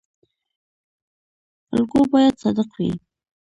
الګو باید صادق وي